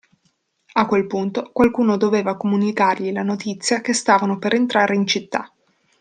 A quel punto, qualcuno doveva comunicargli la notizia che stavano per entrare in città.